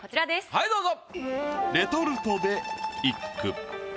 はいどうぞ。